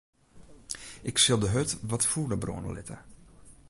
Ik sil de hurd wat fûler brâne litte.